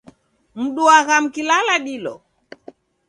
Mduagha mkilala dilo?